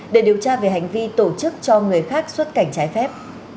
để điều tra về hành vi tổ chức cho người khác xuất cảnh trái phép